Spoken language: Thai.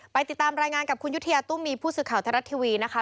ไปติดตามรายงานกับคุณยุธยาตุ้มมีผู้สื่อข่าวไทยรัฐทีวีนะคะ